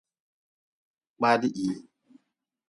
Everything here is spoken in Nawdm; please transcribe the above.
Kpada hii.